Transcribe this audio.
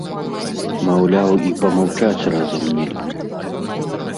Маўляў, і памаўчаць разам нельга.